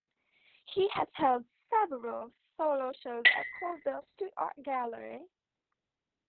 He has held several solo shows at Colville Street Art Gallery.